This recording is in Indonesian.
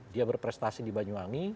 dia berprestasi di banyuwangi